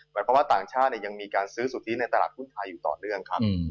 หมายความว่าต่างชาติยังมีการซื้อสุทธิในตลาดหุ้นไทยอยู่ต่อเนื่องครับ